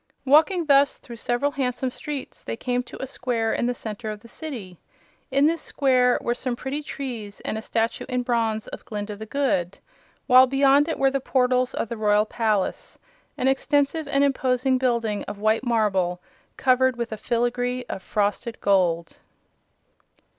Walking thus through several handsome streets they came to a square in the center of the City. In this square were some pretty trees and a statue in bronze of Glinda the Good, while beyond it were the portals of the Royal Palace an extensive and imposing building of white marble covered with a filigree of frosted gold.